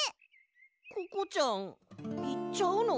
ココちゃんいっちゃうの？